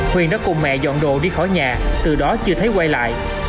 huyền đã cùng mẹ dọn đồ đi khỏi nhà từ đó chưa thấy quay lại